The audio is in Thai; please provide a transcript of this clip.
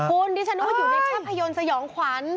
คุณดิฉันนึกว่าอยู่ในภาพยนตร์สยองขวัญ